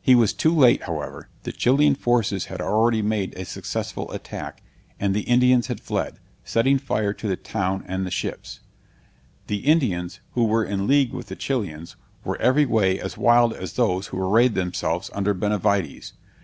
He was too late, however; the Chilian forces had already made a successful attack, and the Indians had fled, setting fire to the town and the ships. The Indians, who were in league with the Chilians, were every way as wild as those who arrayed themselves under Benavides.